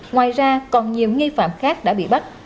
ngoài ra còn nhiều nghi phạm khác đã bị bắt